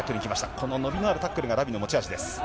この伸びのあるタックルがラビの持ち味です。